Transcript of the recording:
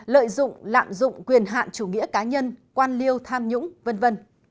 lợi dụng lạm dụng quyền hạn chủ nghĩa cá nhân quan liêu tham nhũng v v